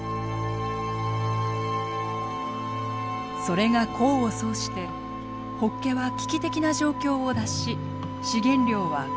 それが功を奏してホッケは危機的な状況を脱し資源量は５倍以上増加。